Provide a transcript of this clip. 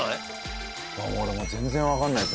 俺もう全然わかんない。